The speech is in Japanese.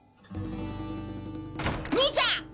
兄ちゃん！